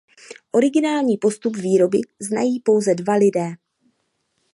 Originální postup výroby znají pouze dva lidé.